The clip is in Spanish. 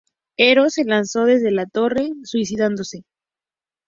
Hero se lanzó desde la torre, suicidándose.